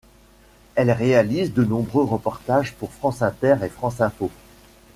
Elle réalise de nombreux reportages pour France Inter et France Info.